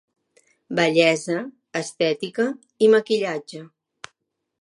Bellesa, estètica i maquillatge.